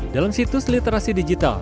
dalam situs literasi digital